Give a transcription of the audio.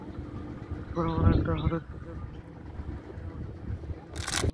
এরপর আমরা একটা হলুদ পিকআপ ভ্যানে করে আমাদের নতুন ঠিকানায় রওনা হলাম।